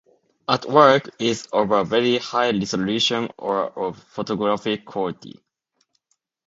Artwork is of a very high resolution or of photographic quality.